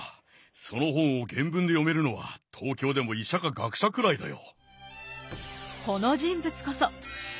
その本を原文で読めるのは東京でも医者か学者くらいだよ。